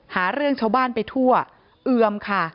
หาเรื่องชาวบ้านไปทั่วเอือมค่ะ